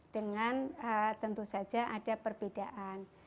dengan tentu saja ada perbedaan